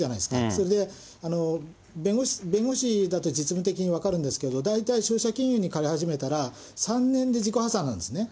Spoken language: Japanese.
それで弁護士だと実務的に分かるんですけれども、大体、消費者金融に借り始めたら、３年で自己破産なんですね。